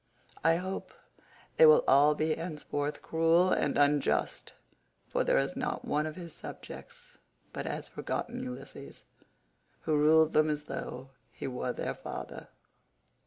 I hope they will be all henceforth cruel and unjust, for there is not one of his subjects but has forgotten Ulysses, who ruled them as though he were their father.